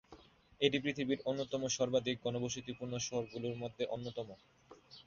এটি পৃথিবীর অন্যতম সর্বাধিক ঘনবসতিপূর্ণ শহরগুলোর মধ্যে অন্যতম।